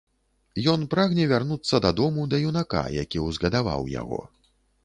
Ён прагне вярнуцца дадому да юнака, які ўзгадаваў яго.